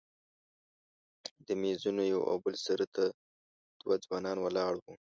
د میزونو یو او بل سر ته دوه ځوانان ولاړ وو.